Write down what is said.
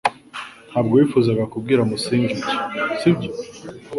Ntabwo wifuzaga kubwira Musinga ibyo, sibyo?